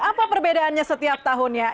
apa perbedaannya setiap tahunnya